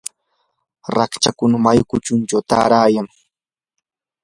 rachakkuna mayu kuchunchawmi taarayan.